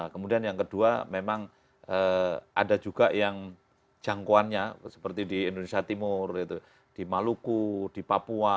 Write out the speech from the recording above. kemudian yang kedua memang ada juga yang jangkauannya seperti di indonesia timur di maluku di papua